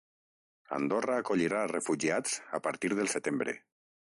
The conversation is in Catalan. Andorra acollirà refugiats a partir del setembre.